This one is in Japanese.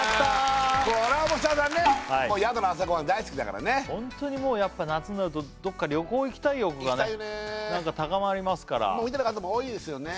これはもう設楽さんね宿の朝ごはん大好きだからねやっぱ夏になるとどこか旅行行きたい欲がね高まりますから見てる方も多いですよね